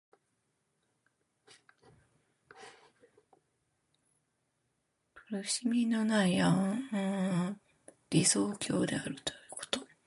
涅槃は苦しみのない安穏な理想郷であるということ。